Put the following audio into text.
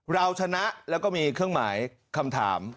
เราชนะแล้วก็มีเครื่องหมายคำถาม